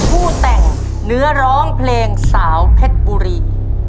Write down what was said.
ผู้แต่งเนื้อร้องเพลงสาวเพชรบุรี